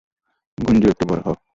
গুঞ্জু, একটু বড় হও।